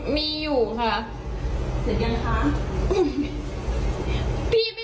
มีขันไหมคะ